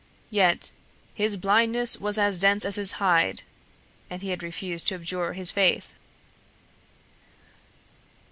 Yet "his blindness was as dense as his hide," and he had refused to abjure his faith.